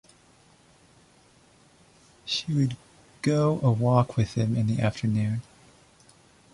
She would go a walk with him in the afternoon.